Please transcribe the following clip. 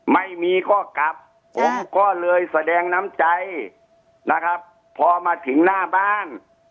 ไม่มีก็กลับผมก็เลยแสดงน้ำใจนะครับพอมาถึงหน้าบ้าน